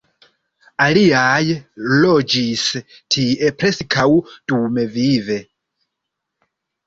Aliaj loĝis tie preskaŭ dumvive.